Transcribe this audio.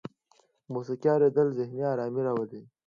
د موسیقۍ اوریدل ذهني ارامۍ راولي.